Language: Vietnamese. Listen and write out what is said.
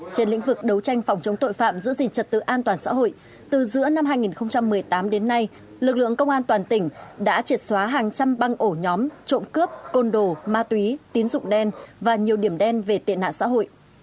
trên lĩnh vực đấu tranh phòng chống tội phạm giữ gìn trật tự an toàn xã hội từ giữa năm hai nghìn một mươi tám đến nay lực lượng công an toàn tỉnh đã triệt xóa hàng trăm băng ổ nhóm trộm cướp côn đồ ma túy tín dụng đen và nhiều điểm đen về tệ nạn xã hội